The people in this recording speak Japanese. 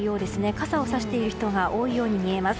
傘をさしている人が多いように見えます。